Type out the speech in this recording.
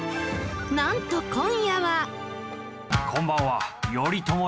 なんと今夜は。